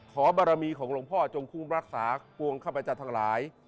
ขอบารมีของหลวงพ่อจงคุ้มรักษากวงข้าพเจ้าทั้งหลาย